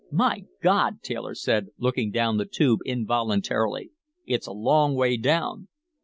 "My God!" Taylor said, looking down the Tube involuntarily. "It's a long way down."